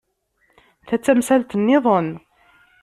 Ta d tamsalt niḍen.